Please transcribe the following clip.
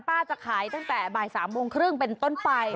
จะขายตั้งแต่บ่าย๓โมงครึ่งเป็นต้นไป